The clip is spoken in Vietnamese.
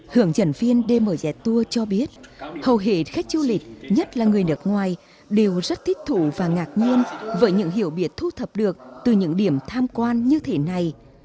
hướng dẫn viên dmh tour cho biết hầu hết khách du lịch nhất là người nước ngoài đều rất thích thủ và ngạc nhiên với những hiểu biết thu thập được từ những điểm tham quan như thế này